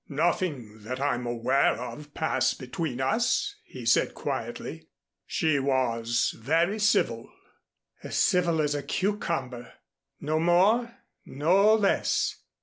"Nothing that I'm aware of passed between us," he said quietly. "She was very civil." "As civil as a cucumber no more no less.